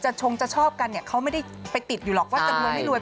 จัดรวมจะชอบกันเขาไม่ได้ไปติดอยู่หรอกว่าจะรวยไม่รวย